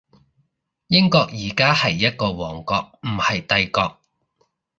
英國而家係一個王國，唔係帝國